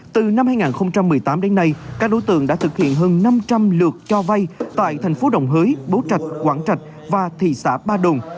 từ năm hai nghìn một mươi tám đến nay các đối tượng đã thực hiện hơn năm trăm linh lượt cho vay tại thành phố đồng hới bố trạch quảng trạch và thị xã ba đồn